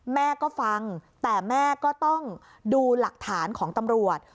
แม่ก็ฟังแต่แม่ก็ต้องดูหลักฐานของตำรวจ